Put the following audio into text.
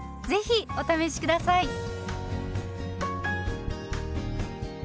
ぜひお試し下さい。